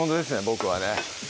僕はね